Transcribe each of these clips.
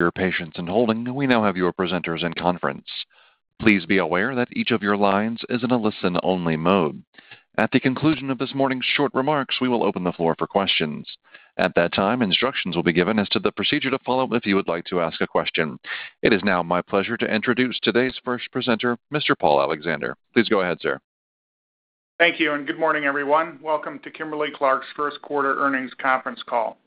At the conclusion of this morning's short remarks, we will open the floor for questions. At that time, instructions will be given as to the procedure to follow if you would like to ask a question. It is now my pleasure to introduce today's first presenter, Mr. Paul Alexander. Please go ahead, sir. Thank you. Good morning, everyone. Welcome to Kimberly-Clark's first quarter earnings conference call.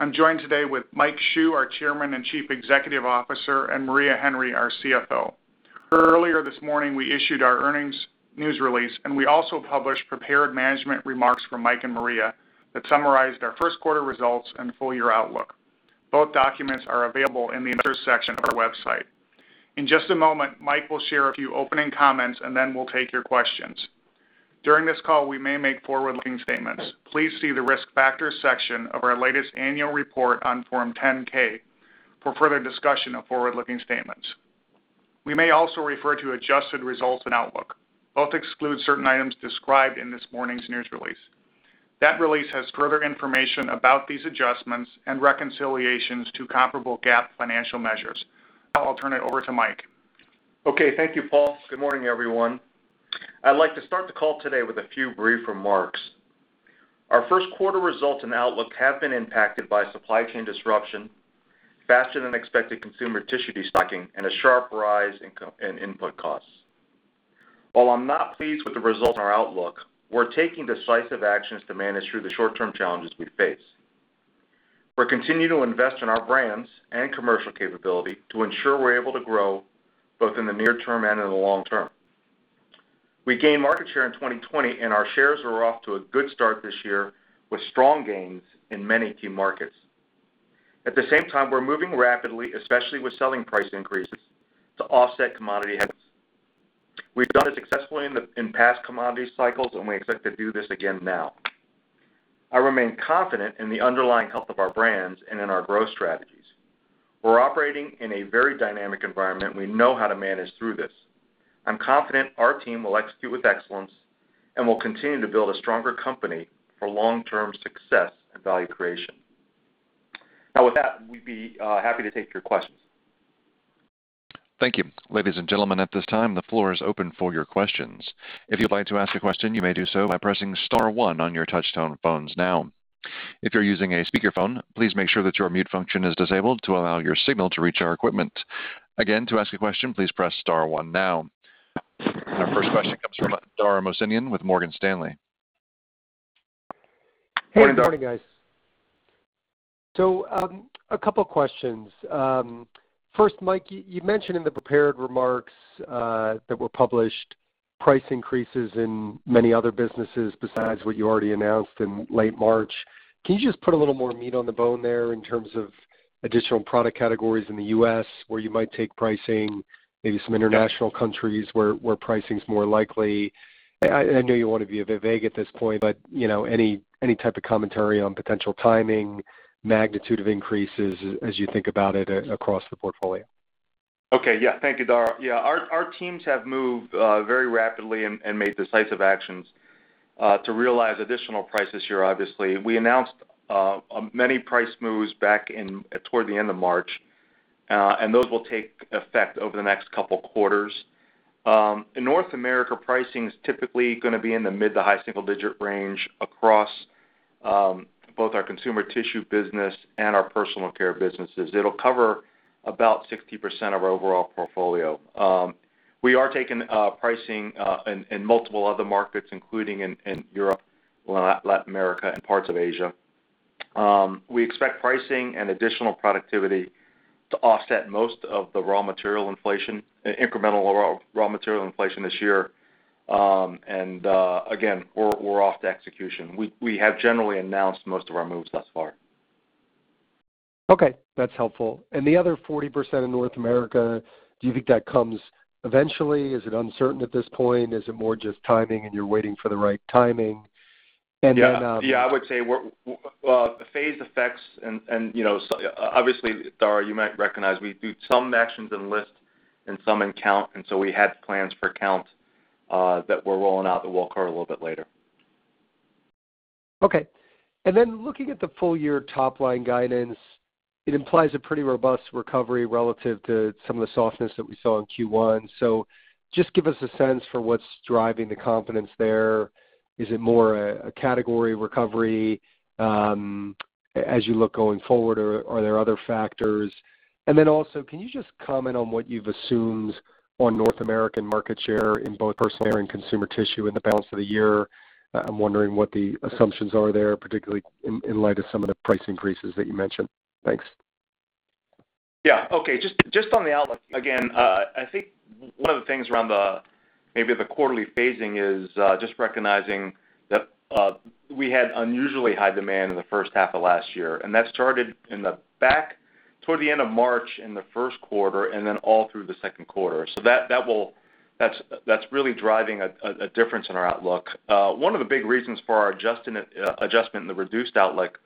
I'm joined today with Mike Hsu, our Chairman and Chief Executive Officer, and Maria Henry, our CFO. Earlier this morning, we issued our earnings news release, and we also published prepared management remarks from Mike and Maria that summarized our first quarter results and full year outlook. Both documents are available in the Investors section of our website. In just a moment, Mike will share a few opening comments, and then we'll take your questions. During this call, we may make forward-looking statements. Please see the Risk Factors section of our latest annual report on Form 10-K for further discussion of forward-looking statements. We may also refer to adjusted results and outlook. Both exclude certain items described in this morning's news release. That release has further information about these adjustments and reconciliations to comparable GAAP financial measures. I'll turn it over to Mike. Okay. Thank you, Paul. Good morning, everyone. I'd like to start the call today with a few brief remarks. Our first quarter results and outlook have been impacted by supply chain disruption, faster than expected consumer tissue de-stocking, and a sharp rise in input costs. While I'm not pleased with the results and our outlook, we're taking decisive actions to manage through the short-term challenges we face. We're continuing to invest in our brands and commercial capability to ensure we're able to grow both in the near term and in the long term. We gained market share in 2020, and our shares are off to a good start this year, with strong gains in many key markets. At the same time, we're moving rapidly, especially with selling price increases, to offset commodity headwinds. We've done it successfully in past commodity cycles, and we expect to do this again now. I remain confident in the underlying health of our brands and in our growth strategies. We're operating in a very dynamic environment. We know how to manage through this. I'm confident our team will execute with excellence and will continue to build a stronger company for long-term success and value creation. Now, with that, we'd be happy to take your questions. Thank you. Ladies and gentlemen, at this time, the floor is open for your questions. If you'd like to ask a question, you may do so by pressing star 1 on your touch-tone phones now. If you're using a speakerphone, please make sure that your mute function is disabled to allow your signal to reach our equipment. Again, to ask a question, please press star 1 now. Our first question comes from Dara Mohsenian with Morgan Stanley. Morning, Dara. Good morning, guys. A couple questions. First, Mike, you mentioned in the prepared remarks that were published, price increases in many other businesses besides what you already announced in late March. Can you just put a little more meat on the bone there in terms of additional product categories in the U.S. where you might take pricing, maybe some international countries where pricing is more likely? I know you want to be a bit vague at this point, any type of commentary on potential timing, magnitude of increases as you think about it across the portfolio? Okay. Thank you, Dara. Our teams have moved very rapidly and made decisive actions to realize additional prices here, obviously. We announced many price moves back toward the end of March. Those will take effect over the next couple quarters. In North America, pricing is typically going to be in the mid to high single-digit range across both our consumer tissue business and our personal care businesses. It'll cover about 60% of our overall portfolio. We are taking pricing in multiple other markets, including in Europe, Latin America, and parts of Asia. We expect pricing and additional productivity to offset most of the raw material inflation, incremental raw material inflation this year. Again, we're off to execution. We have generally announced most of our moves thus far. Okay, that's helpful. The other 40% in North America, do you think that comes eventually? Is it uncertain at this point? Is it more just timing, and you're waiting for the right timing? Yeah, I would say, the phased effects and, obviously, Dara, you might recognize we do some actions in list and some in count, and so we had plans for count that we're rolling out the wall card a little bit later. Okay. Looking at the full-year top-line guidance, it implies a pretty robust recovery relative to some of the softness that we saw in Q1. Just give us a sense for what's driving the confidence there. Is it more a category recovery as you look going forward, or are there other factors? Also, can you just comment on what you've assumed on North American market share in both personal care and consumer tissue in the balance of the year? I'm wondering what the assumptions are there, particularly in light of some of the price increases that you mentioned. Thanks. Yeah. Okay. Just on the outlook, again, I think one of the things around maybe the quarterly phasing is just recognizing that we had unusually high demand in the first half of last year, and that started toward the end of March in the first quarter and then all through the second quarter. That's really driving a difference in our outlook. One of the big reasons for our adjustment in the reduced outlook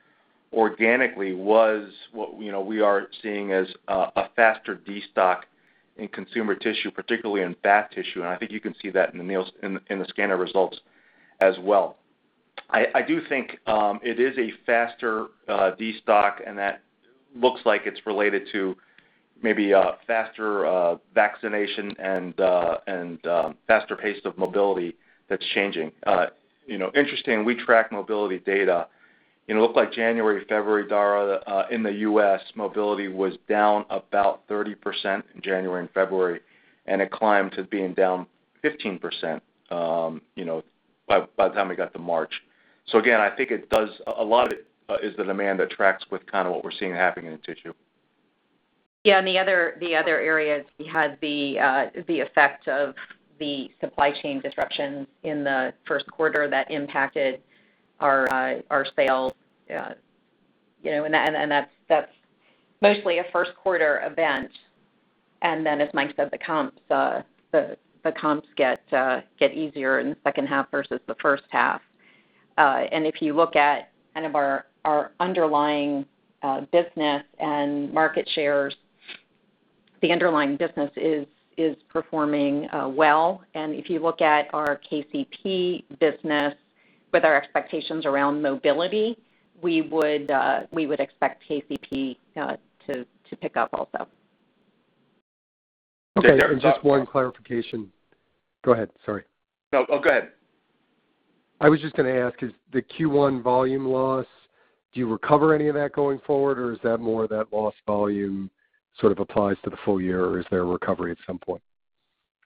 organically was what we are seeing as a faster de-stock in consumer tissue, particularly in bath tissue. I think you can see that in the scanner results as well. I do think it is a faster destock, and that looks like it's related to maybe a faster vaccination and faster pace of mobility that's changing. Interesting, we track mobility data. It looked like January, February, Dara, in the U.S., mobility was down about 30% in January and February, and it climbed to being down 15% by the time we got to March. Again, I think a lot of it is the demand that tracks with kind of what we're seeing happening in the tissue. The other areas, we had the effect of the supply chain disruptions in the first quarter that impacted our sales. That's mostly a first quarter event. Then, as Mike said, the comps get easier in the second half versus the first half. If you look at our underlying business and market shares, the underlying business is performing well. If you look at our KCP business with our expectations around mobility, we would expect KCP to pick up also. Okay. Just one clarification. Go ahead, sorry. No, go ahead. I was just going to ask, is the Q1 volume loss, do you recover any of that going forward, or is that more of that lost volume sort of applies to the full year, or is there a recovery at some point?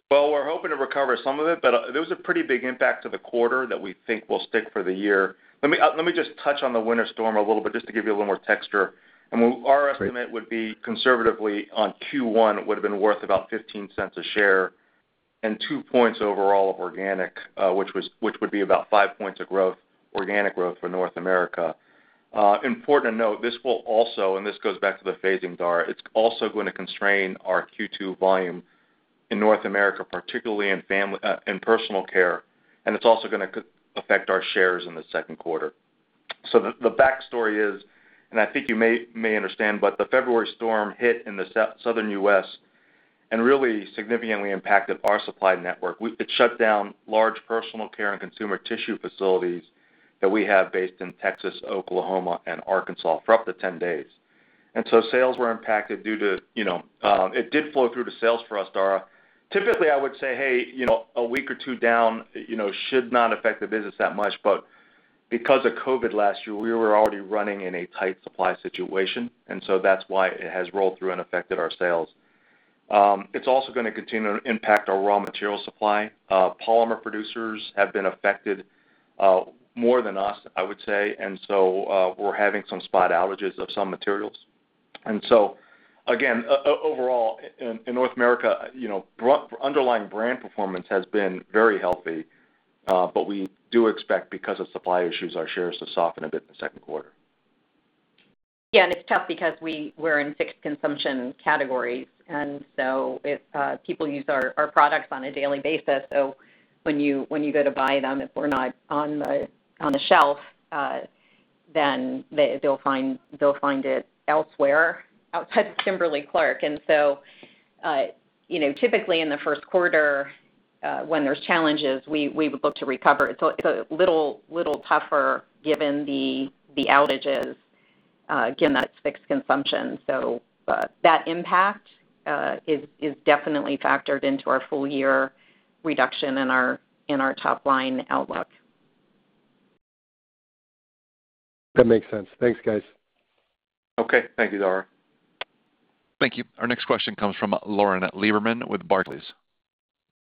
Well, we're hoping to recover some of it, but there was a pretty big impact to the quarter that we think will stick for the year. Let me just touch on the winter storm a little bit, just to give you a little more texture. Our estimate would be conservatively on Q1, it would've been worth about $0.15 a share and two points overall of organic, which would be about five points of growth, organic growth for North America. Important to note, this will also, and this goes back to the phasing, Dara, it's also going to constrain our Q2 volume in North America, particularly in personal care, and it's also going to affect our shares in the second quarter. The backstory is, and I think you may understand, but the February storm hit in the southern U.S. and really significantly impacted our supply network. It shut down large personal care and consumer tissue facilities that we have based in Texas, Oklahoma, and Arkansas for up to 10 days. It did flow through to sales for us, Dara. Typically, I would say, Hey, a week or two down should not affect the business that much. Because of COVID last year, we were already running in a tight supply situation, that's why it has rolled through and affected our sales. It's also going to continue to impact our raw material supply. Polymer producers have been affected more than us, I would say. We're having some spot outages of some materials. Again, overall, in North America, underlying brand performance has been very healthy. We do expect, because of supply issues, our shares to soften a bit in the second quarter. It's tough because we're in fixed consumption categories. People use our products on a daily basis. When you go to buy them, if we're not on the shelf, then they'll find it elsewhere outside of Kimberly-Clark. Typically in the first quarter, when there's challenges, we would look to recover. It's a little tougher given the outages. Again, that's fixed consumption. That impact is definitely factored into our full-year reduction in our top-line outlook. That makes sense. Thanks, guys. Okay. Thank you, Dara. Thank you. Our next question comes from Lauren Lieberman with Barclays.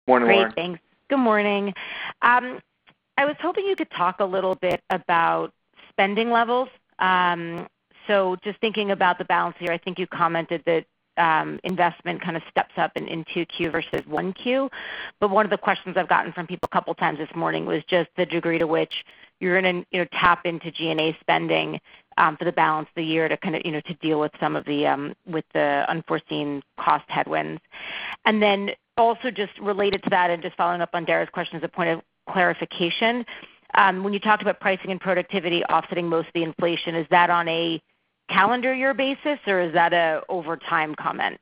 Morning, Lauren. Great. Thanks. Good morning. I was hoping you could talk a little bit about spending levels. Just thinking about the balance here, I think you commented that investment kind of steps up in 2Q versus 1Q. One of the questions I've gotten from people a couple of times this morning was just the degree to which you're going to tap into G&A spending for the balance of the year to deal with some of the unforeseen cost headwinds. Also just related to that, and just following up on Dara's question as a point of clarification, when you talked about pricing and productivity offsetting most of the inflation, is that on a calendar year basis, or is that a over time comment?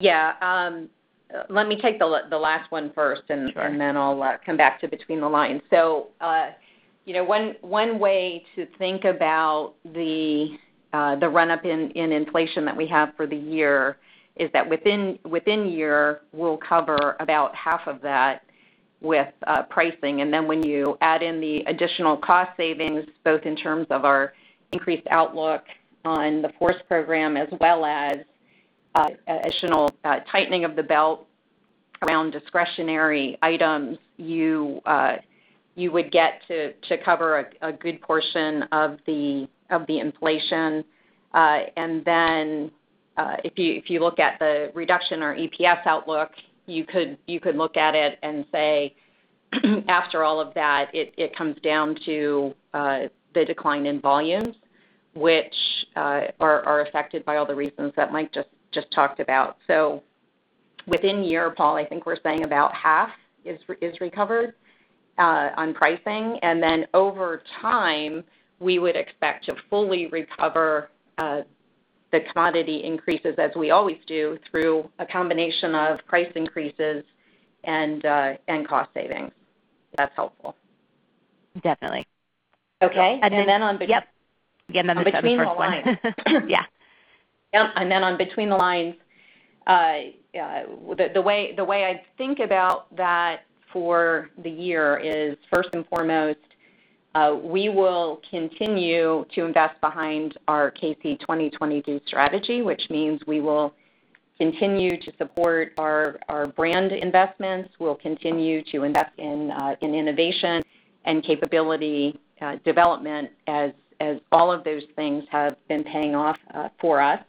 Yeah. Let me take the last one first- Sure I'll come back to between the lines. One way to think about the run-up in inflation that we have for the year is that within year, we'll cover about half of that with pricing. When you add in the additional cost savings, both in terms of our increased outlook on the FORCE program as well as additional tightening of the belt around discretionary items, you would get to cover a good portion of the inflation. If you look at the reduction or EPS outlook, you could look at it and say, after all of that, it comes down to the decline in volumes, which are affected by all the reasons that Mike just talked about. Within year, Paul, I think we're saying about half is recovered on pricing. Over time, we would expect to fully recover the commodity increases, as we always do, through a combination of price increases and cost savings. If that's helpful. Definitely. Okay. And then- And then on be- Yep. Again, that was my first one. Between the lines. Yeah. Yep. Then on between the lines, the way I think about that for the year is, first and foremost, we will continue to invest behind our K-C Strategy 2022, which means we will continue to support our brand investments. We'll continue to invest in innovation and capability development, as all of those things have been paying off for us.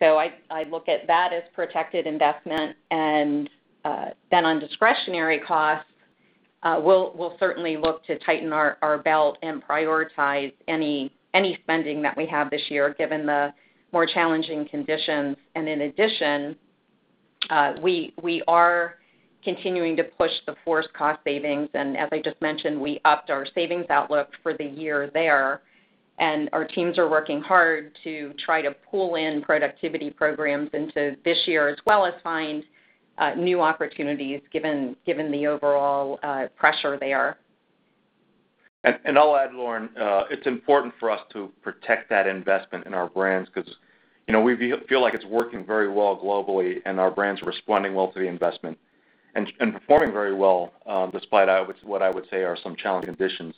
I look at that as protected investment. Then on discretionary costs, we'll certainly look to tighten our belt and prioritize any spending that we have this year, given the more challenging conditions. In addition, we are continuing to push the FORCE cost savings, and as I just mentioned, we upped our savings outlook for the year there, and our teams are working hard to try to pull in productivity programs into this year, as well as find new opportunities, given the overall pressure there. I'll add, Lauren, it's important for us to protect that investment in our brands because we feel like it's working very well globally, and our brands are responding well to the investment and performing very well, despite what I would say are some challenging conditions.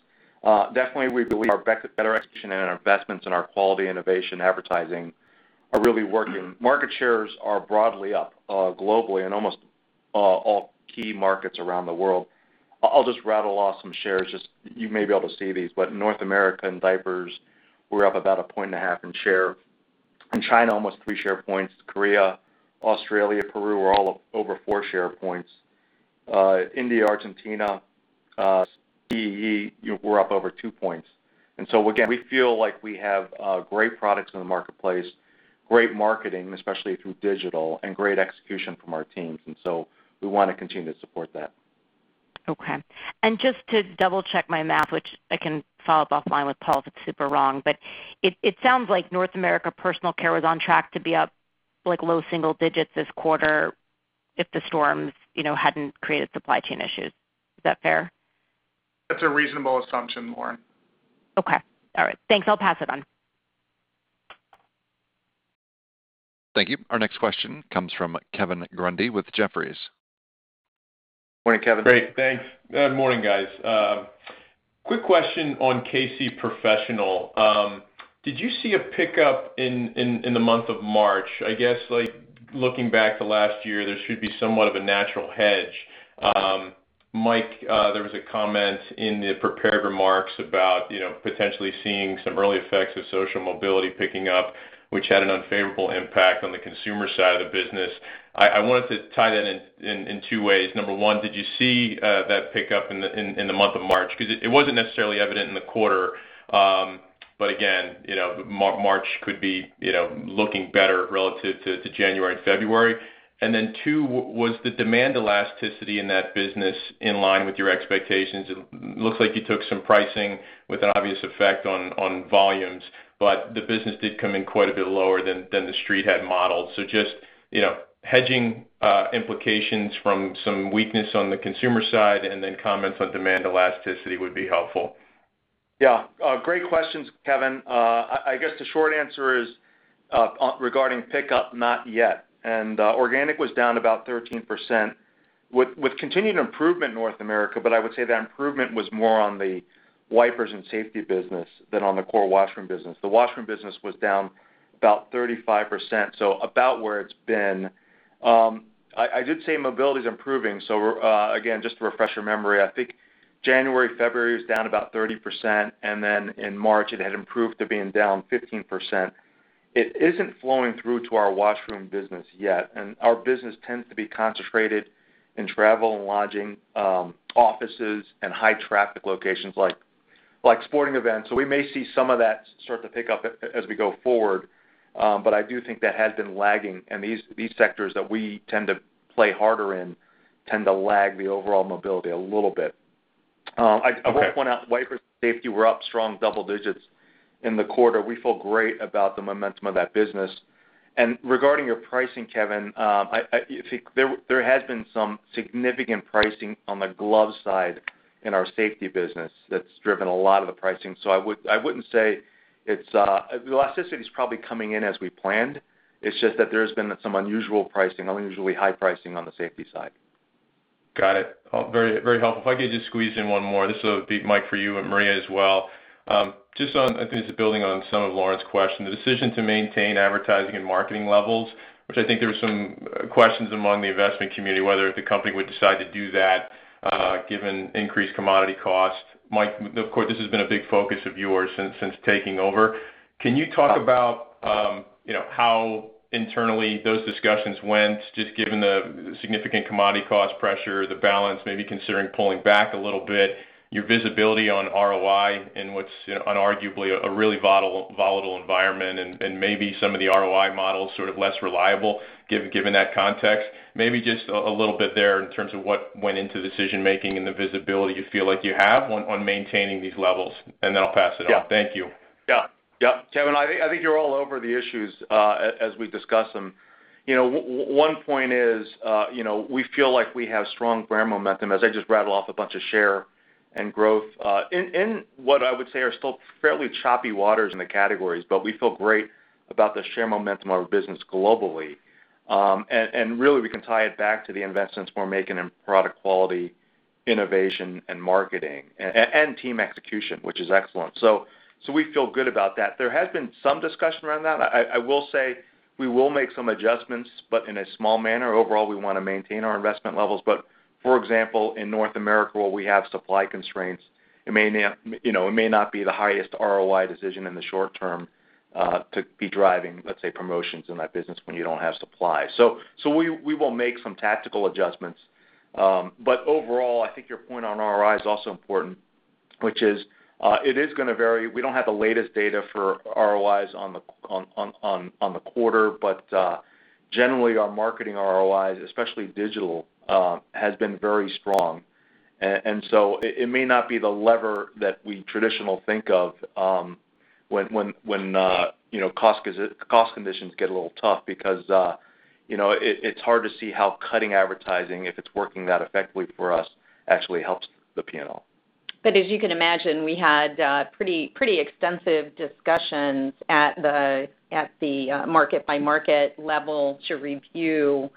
Definitely, we believe our better execution and our investments in our quality innovation advertising are really working. Market shares are broadly up globally and almost all key markets around the world. I'll just rattle off some shares. You may be able to see these, but North America and diapers were up about a point and a half in share. In China, almost three share points. Korea, Australia, Peru were all over four share points. India, Argentina, were up over two points. Again, we feel like we have great products in the marketplace, great marketing, especially through digital, and great execution from our teams. We want to continue to support that. Okay. Just to double-check my math, which I can follow up offline with Paul if it's super wrong, but it sounds like North America personal care was on track to be up low single digits this quarter if the storms hadn't created supply chain issues. Is that fair? That's a reasonable assumption, Lauren. Okay. All right. Thanks, I'll pass it on. Thank you. Our next question comes from Kevin Grundy with Jefferies. Morning, Kevin. Great. Thanks. Good morning, guys. Quick question on K-C Professional. Did you see a pickup in the month of March? I guess looking back to last year, there should be somewhat of a natural hedge. Mike, there was a comment in the prepared remarks about potentially seeing some early effects of social mobility picking up, which had an unfavorable impact on the consumer side of the business. I wanted to tie that in two ways. Number one, did you see that pickup in the month of March? It wasn't necessarily evident in the quarter. Again, March could be looking better relative to January and February. Two, was the demand elasticity in that business in line with your expectations? It looks like you took some pricing with an obvious effect on volumes, but the business did come in quite a bit lower than the Street had modeled. Just hedging implications from some weakness on the consumer side and then comments on demand elasticity would be helpful. Yeah. Great questions, Kevin. I guess the short answer is, regarding pickup, not yet. Organic was down about 13%, with continued improvement in North America, but I would say that improvement was more on the wipers and safety business than on the core washroom business. The washroom business was down about 35%, so about where it's been. I did say mobility is improving. Again, just to refresh your memory, I think January, February, it was down about 30%, and then in March, it had improved to being down 15%. It isn't flowing through to our washroom business yet, and our business tends to be concentrated in travel and lodging, offices, and high-traffic locations like sporting events. We may see some of that start to pick up as we go forward. I do think that has been lagging, and these sectors that we tend to play harder in tend to lag the overall mobility a little bit. I will point out, wipers and safety were up strong double digits in the quarter. We feel great about the momentum of that business. Regarding your pricing, Kevin, there has been some significant pricing on the glove side in our safety business that's driven a lot of the pricing. I wouldn't say elasticity is probably coming in as we planned. It's just that there has been some unusual pricing, unusually high pricing on the safety side. Got it. Very helpful. If I could just squeeze in one more. This will be, Mike, for you and Maria as well. Just on, I think this is building on some of Lauren's question, the decision to maintain advertising and marketing levels, which I think there were some questions among the investment community whether the company would decide to do that given increased commodity cost. Mike, of course, this has been a big focus of yours since taking over. Can you talk about how internally those discussions went, just given the significant commodity cost pressure, the balance, maybe considering pulling back a little bit, your visibility on ROI in what's unarguably a really volatile environment and maybe some of the ROI models sort of less reliable given that context? Maybe just a little bit there in terms of what went into the decision-making and the visibility you feel like you have on maintaining these levels, and then I'll pass it on. Yeah. Thank you. Yeah. Kevin, I think you're all over the issues, as we discuss them. One point is, we feel like we have strong brand momentum, as I just rattled off a bunch of share and growth in what I would say are still fairly choppy waters in the categories, but we feel great about the share momentum of our business globally. Really, we can tie it back to the investments we're making in product quality, innovation, and marketing, and team execution, which is excellent. We feel good about that. There has been some discussion around that. I will say we will make some adjustments, but in a small manner. Overall, we want to maintain our investment levels. For example, in North America, where we have supply constraints, it may not be the highest ROI decision in the short term, to be driving, let's say, promotions in that business when you don't have supply. We will make some tactical adjustments. Overall, I think your point on ROI is also important, which is, it is going to vary. We don't have the latest data for ROIs on the quarter, but generally, our marketing ROIs, especially digital, has been very strong. It may not be the lever that we traditionally think of when cost conditions get a little tough because it's hard to see how cutting advertising, if it's working that effectively for us, actually helps the P&L. As you can imagine, we had pretty extensive discussions at the market-by-market level to review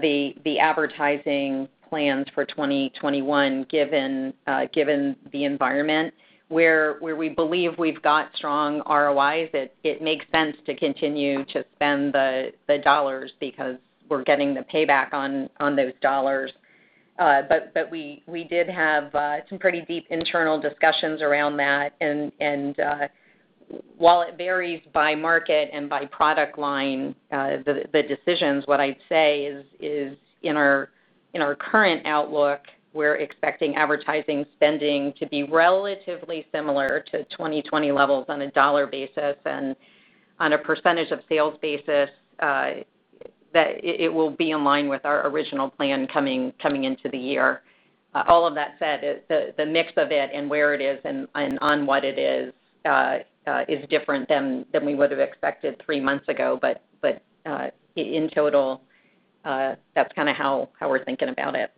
the advertising plans for 2021, given the environment. Where we believe we've got strong ROIs, it makes sense to continue to spend the dollars because we're getting the payback on those dollars. We did have some pretty deep internal discussions around that, and while it varies by market and by product line, the decisions, what I'd say is in our current outlook, we're expecting advertising spending to be relatively similar to 2020 levels on a dollar basis. On a percentage of sales basis, that it will be in line with our original plan coming into the year. All of that said, the mix of it and where it is and on what it is different than we would've expected three months ago, but in total, that's kind of how we're thinking about it.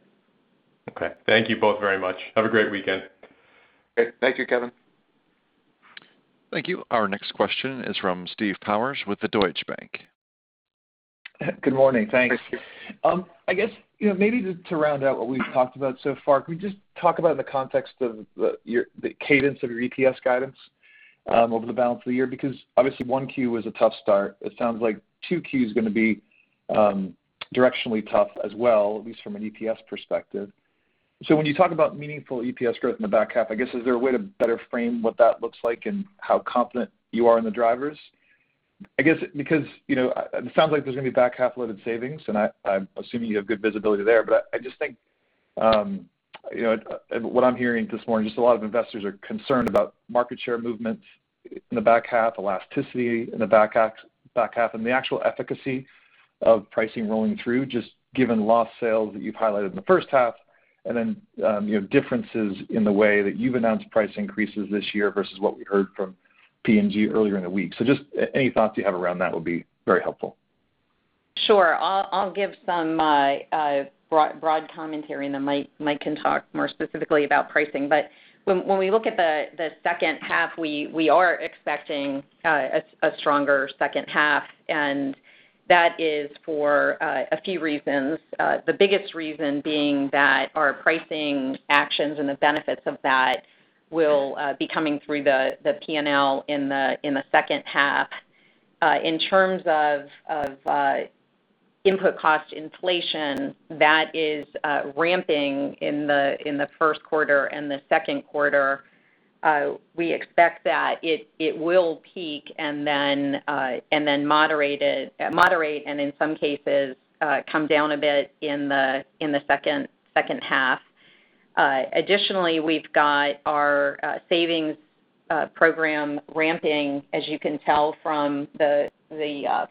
Okay. Thank you both very much. Have a great weekend. Great. Thank you, Kevin. Thank you. Our next question is from Steve Powers with Deutsche Bank. Good morning. Thanks. Good morning. I guess, maybe to round out what we've talked about so far, can we just talk about in the context of the cadence of your EPS guidance over the balance of the year, because obviously 1Q was a tough start. It sounds like 2Q is going to be directionally tough as well, at least from an EPS perspective. When you talk about meaningful EPS growth in the back half, I guess, is there a way to better frame what that looks like and how confident you are in the drivers? I guess because it sounds like there's going to be back-half loaded savings, and I'm assuming you have good visibility there, but I just think what I'm hearing this morning, just a lot of investors are concerned about market share movements in the back half, elasticity in the back half, and the actual efficacy of pricing rolling through, just given lost sales that you've highlighted in the first half and then differences in the way that you've announced price increases this year versus what we heard from P&G earlier in the week. Just any thoughts you have around that would be very helpful. Sure. I'll give some broad commentary, and then Mike can talk more specifically about pricing. When we look at the second half, we are expecting a stronger second half, and that is for a few reasons. The biggest reason being that our pricing actions and the benefits of that will be coming through the P&L in the second half. In terms of input cost inflation, that is ramping in the first quarter and the second quarter. We expect that it will peak and then moderate, and in some cases, come down a bit in the second half. Additionally, we've got our savings program ramping, as you can tell from the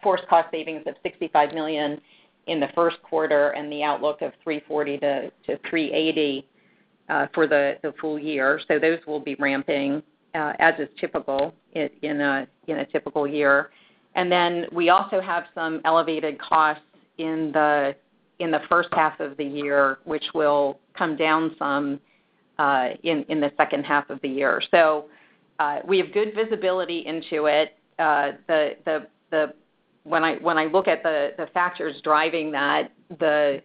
FORCE cost savings of $65 million in the first quarter and the outlook of $340-$380 for the full year. Those will be ramping, as is typical in a typical year. We also have some elevated costs in the first half of the year, which will come down some in the second half of the year. We have good visibility into it. When I look at the factors driving that, the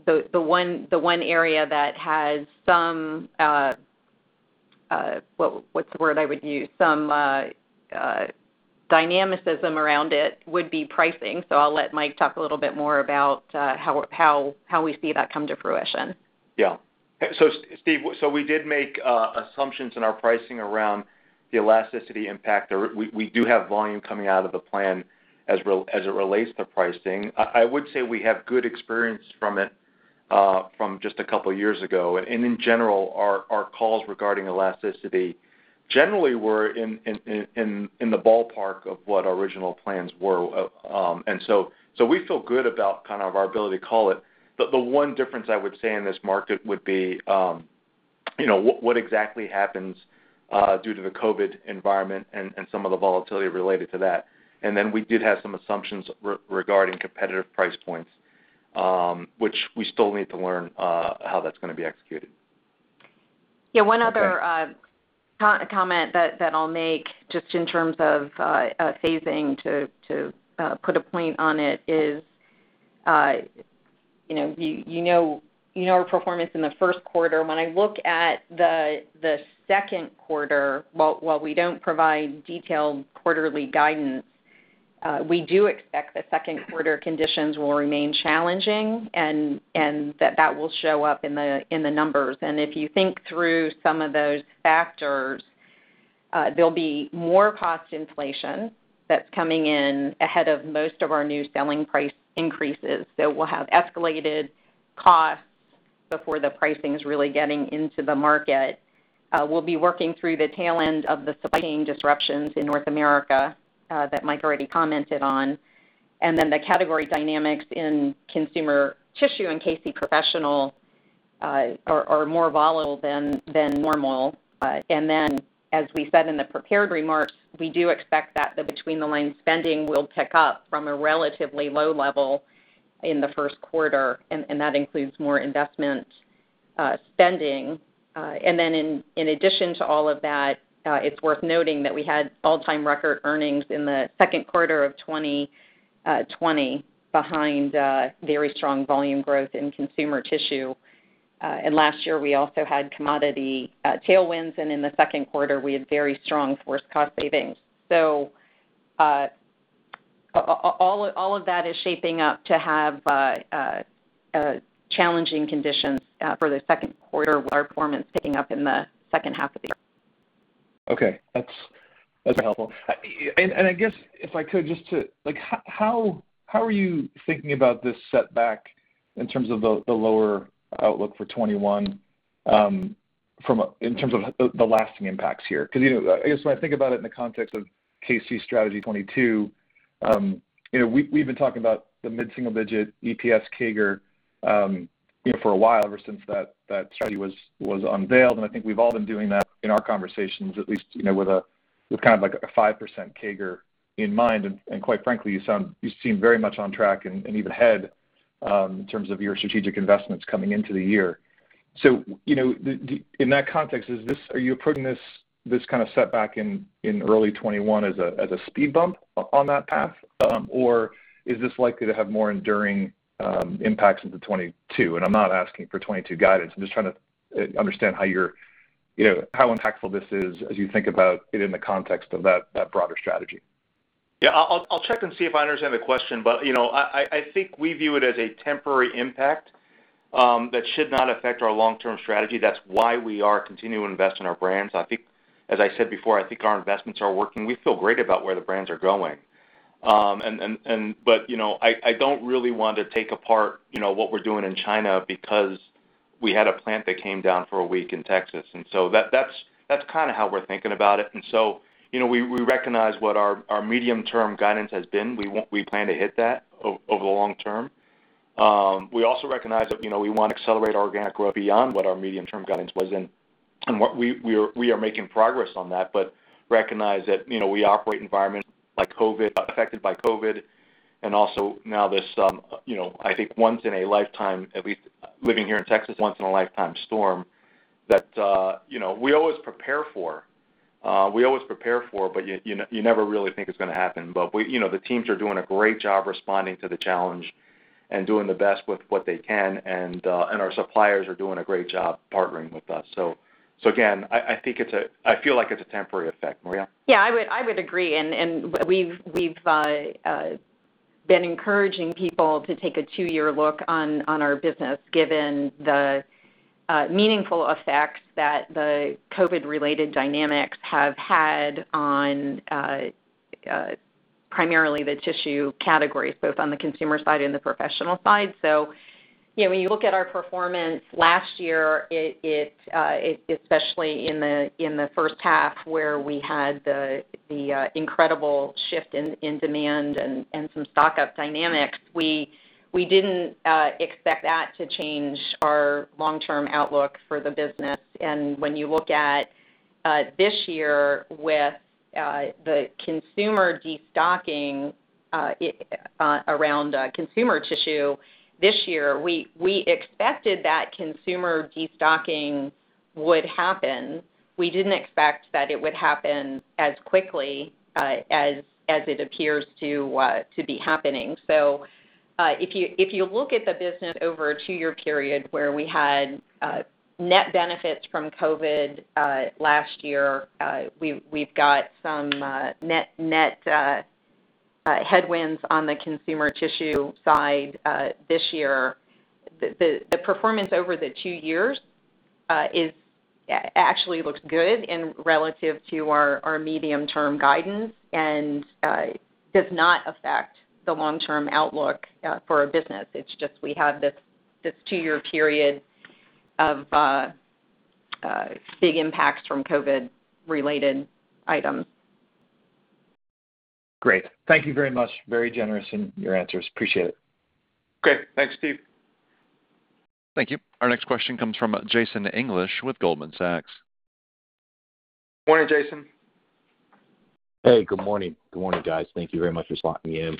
one area that has some, what's the word I would use, some dynamicism around it would be pricing. I'll let Mike talk a little bit more about how we see that come to fruition. Steve, we did make assumptions in our pricing around the elasticity impact. We do have volume coming out of the plan as it relates to pricing. I would say we have good experience from it from just a couple of years ago. In general, our calls regarding elasticity generally were in the ballpark of what our original plans were. We feel good about kind of our ability to call it. The one difference I would say in this market would be what exactly happens, due to the COVID environment and some of the volatility related to that. Then we did have some assumptions regarding competitive price points, which we still need to learn how that's going to be executed. Yeah. One other comment that I'll make just in terms of phasing to put a point on it is, you know our performance in the first quarter. When I look at the second quarter, while we don't provide detailed quarterly guidance, we do expect the second quarter conditions will remain challenging, and that will show up in the numbers. If you think through some of those factors, there'll be more cost inflation that's coming in ahead of most of our new selling price increases. We'll have escalated costs before the pricing is really getting into the market. We'll be working through the tail end of the supply chain disruptions in North America that Mike already commented on. The category dynamics in consumer tissue and Kimberly-Clark Professional are more volatile than normal. As we said in the prepared remarks, we do expect that the between the line spending will pick up from a relatively low level in the first quarter, and that includes more investment spending. In addition to all of that, it's worth noting that we had all-time record earnings in the second quarter of 2020 behind very strong volume growth in consumer tissue. Last year we also had commodity tailwinds, and in the second quarter we had very strong FORCE cost savings. All of that is shaping up to have challenging conditions for the second quarter with our performance picking up in the second half of the year. Okay. That's helpful. I guess if I could, just how are you thinking about this setback in terms of the lower outlook for 2021, in terms of the lasting impacts here? I guess when I think about it in the context of K-C Strategy 2022, we've been talking about the mid-single-digit EPS CAGR, for a while, ever since that study was unveiled, and I think we've all been doing that in our conversations at least, with kind of like a 5% CAGR in mind. Quite frankly, you seem very much on track and even ahead, in terms of your strategic investments coming into the year. In that context, are you approaching this kind of setback in early 2021 as a speed bump on that path? Is this likely to have more enduring impacts into 2022? I'm not asking for 2022 guidance, I'm just trying to understand how impactful this is as you think about it in the context of that broader strategy. I'll check and see if I understand the question, but I think we view it as a temporary impact, that should not affect our long-term strategy. That's why we are continuing to invest in our brands. As I said before, I think our investments are working. We feel great about where the brands are going. I don't really want to take apart what we're doing in China because we had a plant that came down for a week in Texas, and so that's kind of how we're thinking about it. We recognize what our medium-term guidance has been. We plan to hit that over the long term. We also recognize that we want to accelerate organic growth beyond what our medium-term guidance was, and we are making progress on that, but recognize that we operate in environments affected by COVID, and also now this, I think once in a lifetime, at least living here in Texas, once in a lifetime storm that we always prepare for, but you never really think it's going to happen. The teams are doing a great job responding to the challenge and doing the best with what they can, and our suppliers are doing a great job partnering with us. Again, I feel like it's a temporary effect. Maria? Yeah. I would agree. We've been encouraging people to take a two-year look on our business, given the meaningful effects that the COVID-related dynamics have had on primarily the tissue categories, both on the consumer side and the professional side. When you look at our performance last year, especially in the first half where we had the incredible shift in demand and some stock-up dynamics, we didn't expect that to change our long-term outlook for the business. When you look at this year with the consumer destocking around consumer tissue this year, we expected that consumer destocking would happen. We didn't expect that it would happen as quickly as it appears to be happening. If you look at the business over a two-year period where we had net benefits from COVID last year, we've got some net headwinds on the consumer tissue side this year. The performance over the two years actually looks good and relative to our medium-term guidance, and does not affect the long-term outlook for our business. It's just we have this two-year period of big impacts from COVID-related items. Great. Thank you very much. Very generous in your answers. Appreciate it. Great. Thanks, Steve. Thank you. Our next question comes from Jason English with Goldman Sachs. Morning, Jason. Hey, good morning. Good morning, guys. Thank you very much for slotting me in.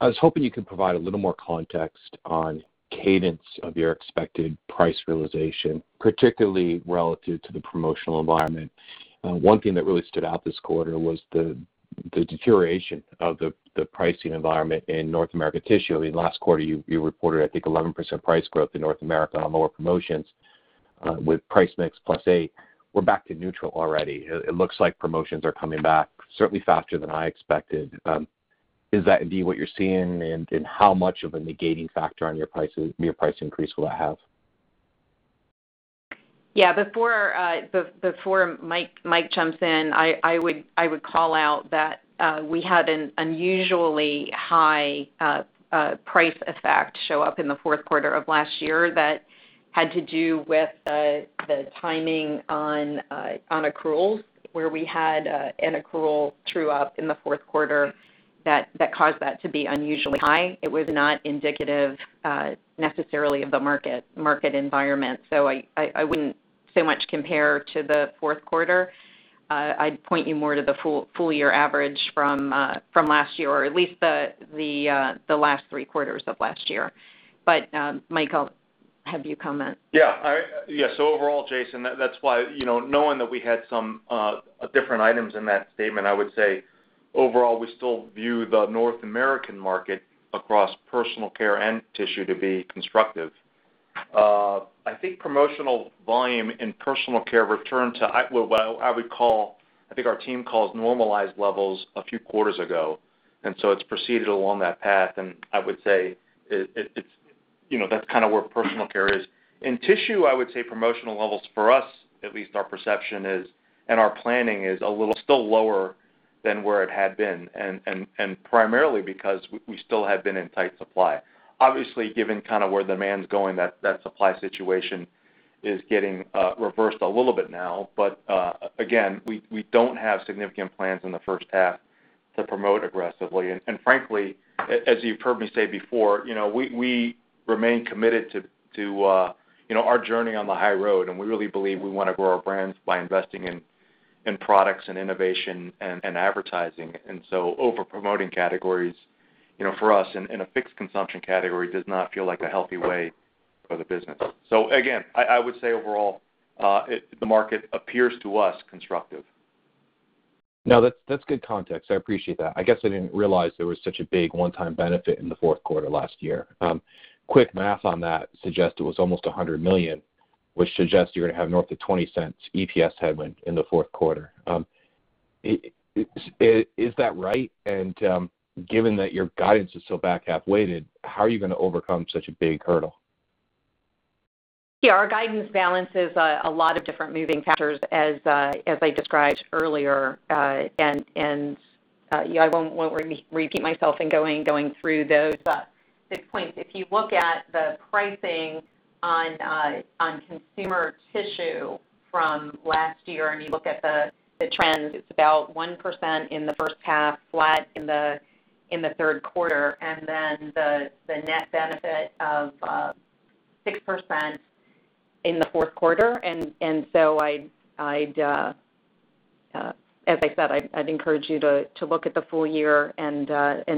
I was hoping you could provide a little more context on cadence of your expected price realization, particularly relative to the promotional environment. One thing that really stood out this quarter was the deterioration of the pricing environment in North America tissue. I mean, last quarter you reported, I think, 11% price growth in North America on lower promotions with price mix plus eight. We're back to neutral already. It looks like promotions are coming back certainly faster than I expected. Is that indeed what you're seeing, and how much of a negating factor on your price increase will that have? Yeah. Before Mike jumps in, I would call out that we had an unusually high price effect show up in the fourth quarter of last year that had to do with the timing on accruals, where we had an accrual true-up in the fourth quarter that caused that to be unusually high. It was not indicative necessarily of the market environment. I wouldn't so much compare to the fourth quarter. I'd point you more to the full year average from last year, or at least the last three quarters of last year. Mike, I'll have you comment. Yeah. Overall, Jason, that's why, knowing that we had some different items in that statement, I would say overall, we still view the North American market across personal care and tissue to be constructive. I think promotional volume in personal care returned to what I would call, I think our team calls normalized levels a few quarters ago, it's proceeded along that path, and I would say that's kind of where personal care is. In tissue, I would say promotional levels for us, at least our perception is, and our planning is a little still lower than where it had been, primarily because we still have been in tight supply. Obviously, given kind of where demand's going, that supply situation is getting reversed a little bit now. Again, we don't have significant plans in the first half to promote aggressively. Frankly, as you've heard me say before, we remain committed to our journey on the high road, and we really believe we want to grow our brands by investing in products and innovation and advertising. Over-promoting categories, for us, in a fixed consumption category, does not feel like a healthy way for the business. Again, I would say overall, the market appears to us constructive. No, that's good context. I appreciate that. I guess I didn't realize there was such a big one-time benefit in the fourth quarter last year. Quick math on that suggests it was almost $100 million, which suggests you're going to have north of $0.20 EPS headwind in the fourth quarter. Is that right? Given that your guidance is so back half-weighted, how are you going to overcome such a big hurdle? Yeah, our guidance balance is a lot of different moving factors as I described earlier. I won't repeat myself in going through those six points. If you look at the pricing on consumer tissue from last year, and you look at the trends, it's about 1% in the first half, flat in the third quarter, and then the net benefit of 6% in the fourth quarter. As I said, I'd encourage you to look at the full year and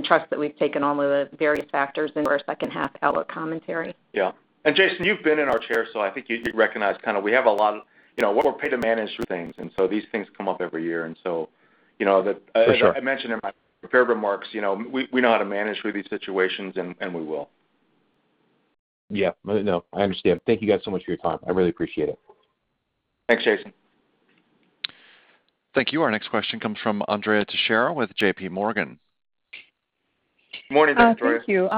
trust that we've taken all of the various factors into our second half outlook commentary. Yeah. Jason, you've been in our chair, so I think you recognize kind of we have a lot We're paid to manage through things. These things come up every year. For sure. As I mentioned in my prepared remarks, we know how to manage through these situations, and we will. Yeah. No, I understand. Thank you guys so much for your time. I really appreciate it. Thanks, Jason. Thank you. Our next question comes from Andrea Teixeira with JPMorgan. Morning, Andrea. Thank you.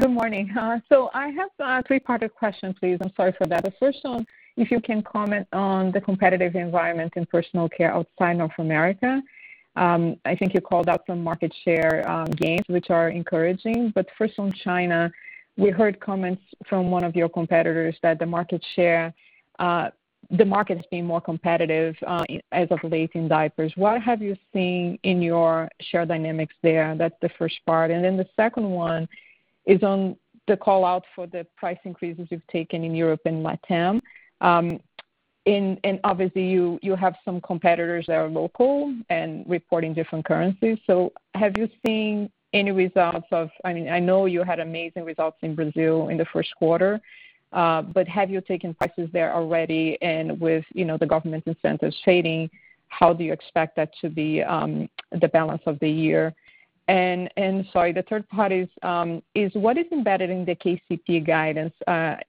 Good morning. I have a three-part question, please. I'm sorry for that. The first one, if you can comment on the competitive environment in personal care outside North America. I think you called out some market share gains, which are encouraging. First, on China, we heard comments from one of your competitors that the market is being more competitive as of late in diapers. What have you seen in your share dynamics there? That's the first part. The second one is on the call-out for the price increases you've taken in Europe and LATAM. Obviously you have some competitors that are local and reporting different currencies. Have you seen any results of, I mean, I know you had amazing results in Brazil in the first quarter, have you taken prices there already? With the government incentives fading, how do you expect that to be the balance of the year? Sorry, the third part is what is embedded in the KCP guidance,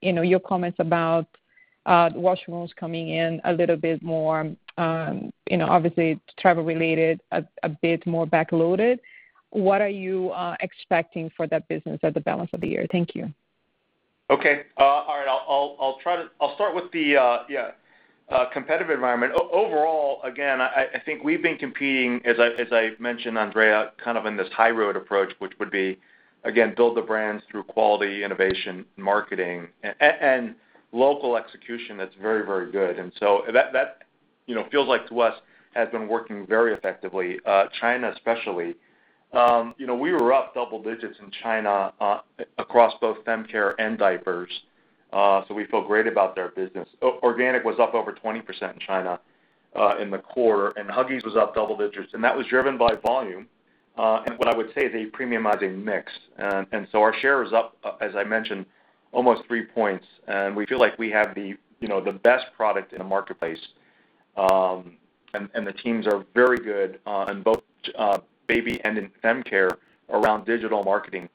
your comments about washrooms coming in a little bit more, obviously travel related, a bit more back-loaded. What are you expecting for that business at the balance of the year? Thank you. Okay. All right. I'll start with the competitive environment. Overall, again, I think we've been competing, as I've mentioned, Andrea, kind of in this high road approach, which would be, again, build the brands through quality, innovation, marketing, and local execution that's very, very good. Feels like to us, has been working very effectively, China especially. We were up double digits in China across both Feminine Care and diapers, so we feel great about their business. Organic was up over 20% in China in the quarter, and Huggies was up double digits, and that was driven by volume, and what I would say is a premiumizing mix. Our share is up, as I mentioned, almost three points. We feel like we have the best product in the marketplace. The teams are very good in both baby and in Feminine Care around digital marketing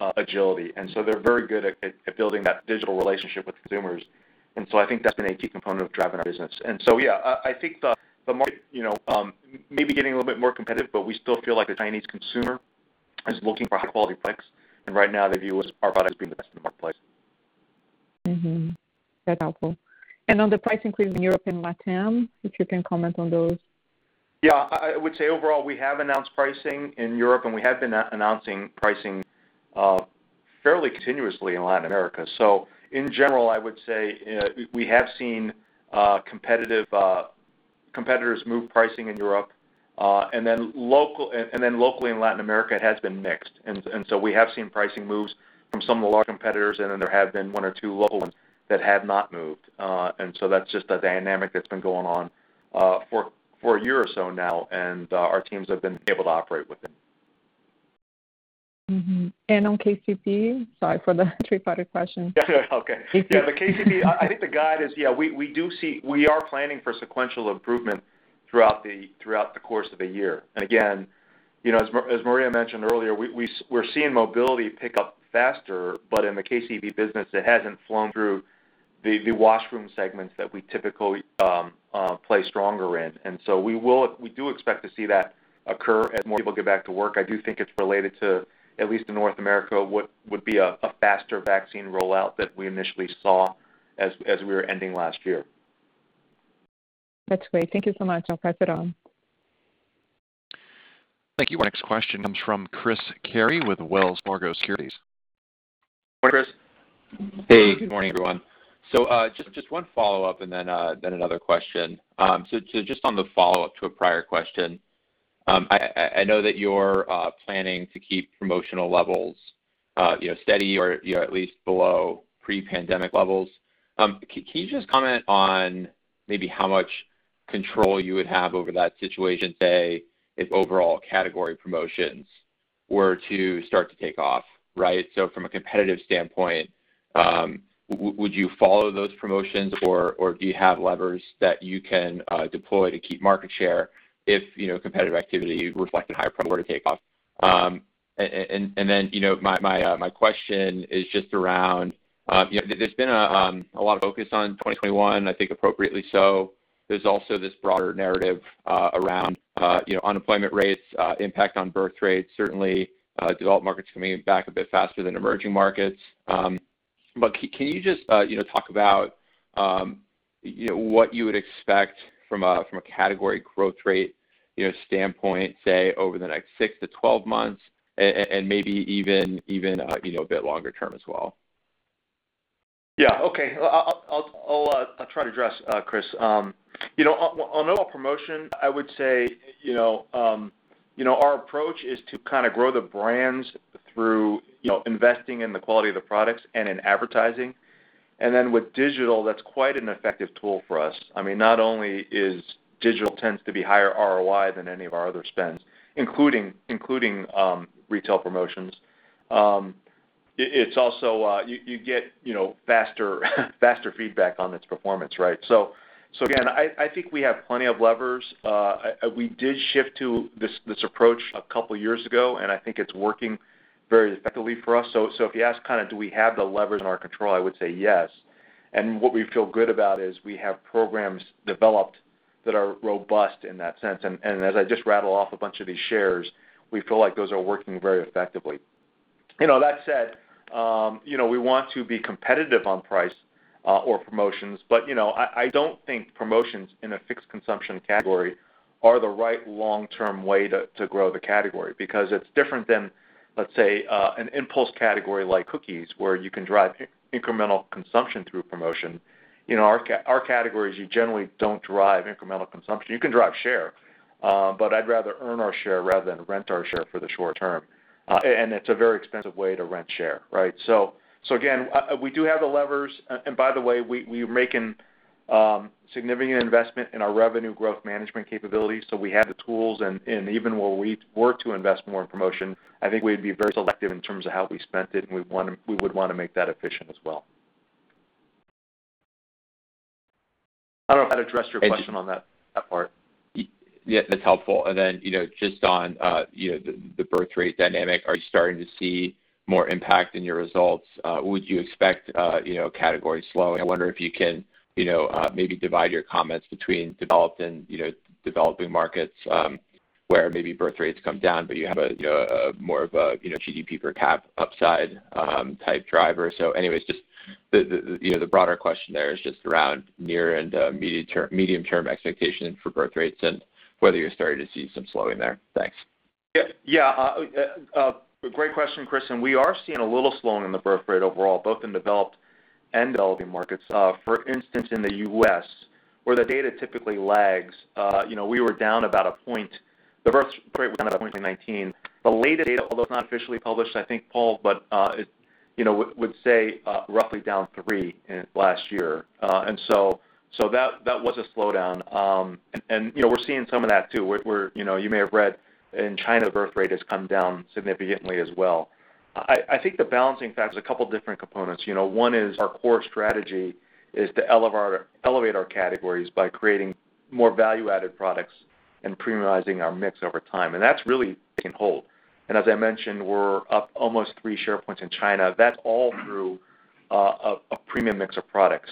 agility. They're very good at building that digital relationship with consumers. I think that's been a key component of driving our business. Yeah, I think the market, maybe getting a little bit more competitive, but we still feel like the Chinese consumer is looking for high-quality products. Right now, they view our products as being the best in the marketplace. Mm-hmm. That's helpful. On the price increase in Europe and LATAM, if you can comment on those? Yeah. I would say overall, we have announced pricing in Europe, and we have been announcing pricing fairly continuously in Latin America. In general, I would say, we have seen competitors move pricing in Europe. Locally in Latin America, it has been mixed. We have seen pricing moves from some of the large competitors, and then there have been one or two local ones that have not moved. That's just a dynamic that's been going on for a year or so now, and our teams have been able to operate within it. Mm-hmm. On KCP? Sorry for the three-part question. Yeah. Okay. KCP. The KCP, I think the guide is, yeah, we are planning for sequential improvement throughout the course of the year. Again, as Maria mentioned earlier, we're seeing mobility pick up faster, but in the KCP business, it hasn't flown through the washroom segments that we typically play stronger in. We do expect to see that occur as more people get back to work. I do think it's related to, at least in North America, what would be a faster vaccine rollout than we initially saw as we were ending last year. That's great. Thank you so much. I'll pass it on. Thank you. Our next question comes from Christopher Carey with Wells Fargo Securities. Hi, Chris. Hey, good morning, everyone. Just one follow-up and then another question. Just on the follow-up to a prior question, I know that you're planning to keep promotional levels steady or at least below pre-pandemic levels. Can you just comment on maybe how much control you would have over that situation, say, if overall category promotions were to start to take off, right? From a competitive standpoint, would you follow those promotions, or do you have levers that you can deploy to keep market share if competitive activity reflected higher promo were to take off? My question is just around, there's been a lot of focus on 2021, I think appropriately so. There's also this broader narrative around unemployment rates, impact on birth rates, certainly developed markets coming back a bit faster than emerging markets. Can you just talk about what you would expect from a category growth rate standpoint, say, over the next six to 12 months and maybe even a bit longer term as well? Yeah. Okay. I'll try to address, Chris. Overall promotion, I would say our approach is to kind of grow the brands through investing in the quality of the products and in advertising. With digital, that's quite an effective tool for us. I mean, not only is digital tends to be higher ROI than any of our other spends, including retail promotions. You get faster feedback on its performance, right? Again, I think we have plenty of levers. We did shift to this approach a couple of years ago, and I think it's working very effectively for us. If you ask kind of do we have the levers in our control, I would say yes. What we feel good about is we have programs developed that are robust in that sense. As I just rattle off a bunch of these shares, we feel like those are working very effectively. That said, we want to be competitive on price or promotions, but I don't think promotions in a fixed consumption category are the right long-term way to grow the category because it's different than, let's say, an impulse category like cookies, where you can drive incremental consumption through promotion. In our categories, you generally don't drive incremental consumption. You can drive share, but I'd rather earn our share rather than rent our share for the short term. It's a very expensive way to rent share, right? Again, we do have the levers. By the way, we're making significant investment in our revenue growth management capabilities, so we have the tools, and even were we to invest more in promotion, I think we'd be very selective in terms of how we spent it, and we would want to make that efficient as well. I don't know how to address your question on that part. Yeah. That's helpful. Then, just on the birth rate dynamic, are you starting to see more impact in your results? Would you expect category slowing? I wonder if you can maybe divide your comments between developed and developing markets, where maybe birth rates come down, but you have more of a GDP per cap upside type driver. Anyways, just the broader question there is just around near and medium-term expectation for birth rates and whether you're starting to see some slowing there. Thanks. Yeah. Great question, Chris. We are seeing a little slowing in the birth rate overall, both in developed and developing markets. For instance, in the U.S., where the data typically lags, the birth rate was down about a point in 2019. The latest data, although it's not officially published, I think, Paul, it would say roughly down 3 last year. That was a slowdown, and we're seeing some of that too. You may have read in China, the birth rate has come down significantly as well. I think the balancing factor is a couple different components. One is our core strategy is to elevate our categories by creating more value-added products and premiumizing our mix over time, and that's really taken hold. As I mentioned, we're up almost 3 share points in China. That's all through a premium mix of products.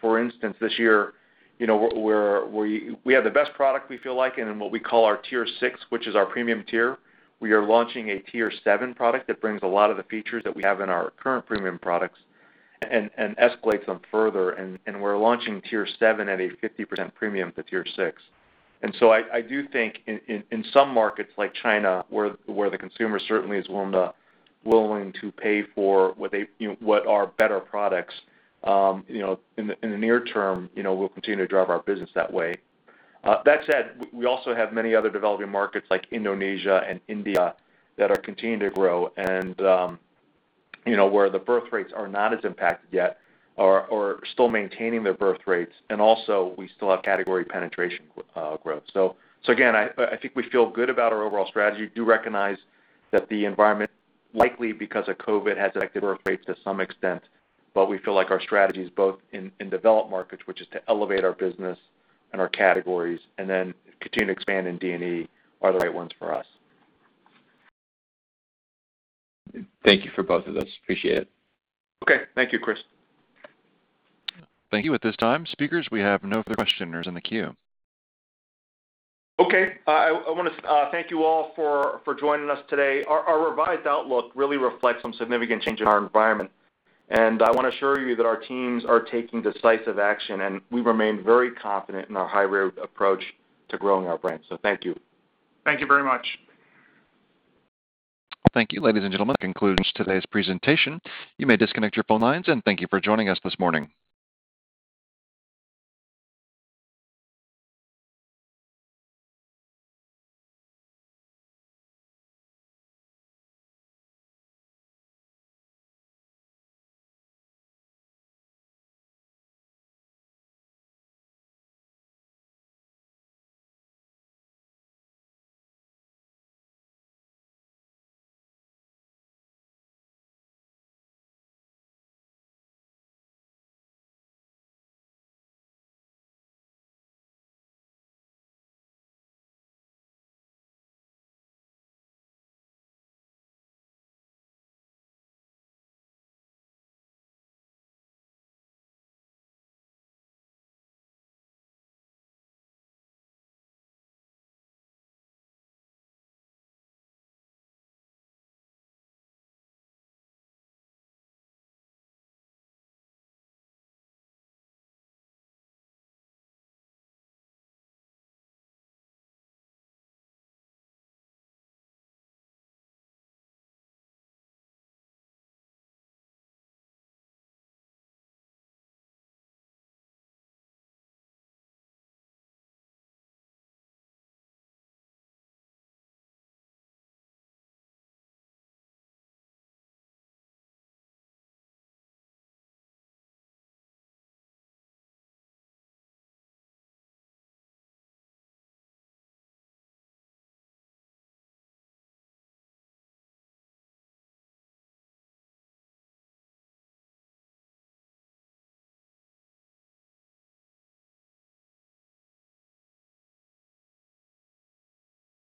For instance, this year, we have the best product, we feel like, in what we call our Tier 6, which is our premium Tier. We are launching a Tier 7 product that brings a lot of the features that we have in our current premium products and escalates them further, and we're launching Tier 7 at a 50% premium to Tier 6. I do think in some markets like China, where the consumer certainly is willing to pay for what are better products, in the near term, we'll continue to drive our business that way. That said, we also have many other developing markets like Indonesia and India that are continuing to grow and where the birth rates are not as impacted yet or are still maintaining their birth rates. Also, we still have category penetration growth. Again, I think we feel good about our overall strategy. We do recognize that the environment, likely because of COVID, has affected birth rates to some extent. We feel like our strategies both in developed markets, which is to elevate our business and our categories and then continue to expand in D&E are the right ones for us. Thank you for both of those. Appreciate it. Okay. Thank you, Chris. Thank you. At this time, speakers, we have no further questioners in the queue. I want to thank you all for joining us today. Our revised outlook really reflects some significant change in our environment, and I want to assure you that our teams are taking decisive action, and we remain very confident in our high-road approach to growing our brands. Thank you. Thank you very much. Thank you. Ladies and gentlemen, that concludes today's presentation. You may disconnect your phone lines, and thank you for joining us this morning.